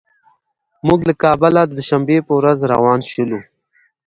موږ له کابله د دوشنبې په ورځ روان شولو.